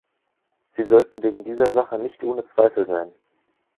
Sie sollten wegen dieser Sache nicht ohne Zweifel sein!